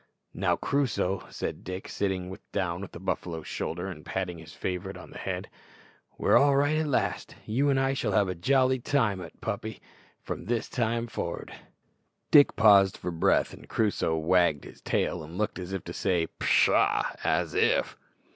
"Now, Crusoe," said Dick, sitting down on the buffalo's shoulder and patting his favourite on the head, "we're all right at last. You and I shall have a jolly time o't, pup, from this time for'ard." Dick paused for breath, and Crusoe wagged his tail and looked as if to say pshaw! "_as if!